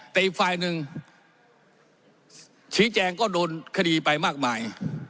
แต่อีกฝ่ายหนึ่งชี้แจงก็โดนคดีไปมากมาย